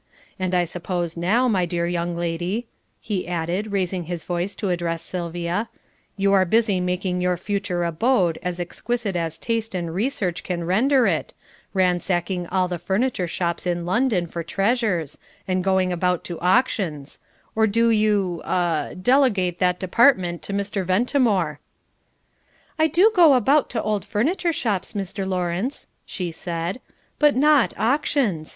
And I suppose now, my dear young lady," he added, raising his voice to address Sylvia, "you are busy making your future abode as exquisite as taste and research can render it, ransacking all the furniture shops in London for treasures, and going about to auctions or do you ah delegate that department to Mr. Ventimore?" "I do go about to old furniture shops, Sir Lawrence," she said, "but not auctions.